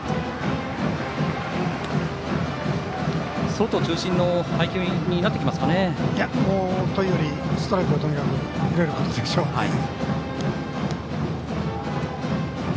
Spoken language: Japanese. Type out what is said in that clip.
外中心の配球になってきますかね。というよりストライクをとにかく入れることでしょうね。